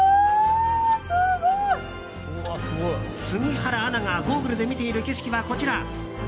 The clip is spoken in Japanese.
杉原アナがゴーグルで見ている景色はこちら。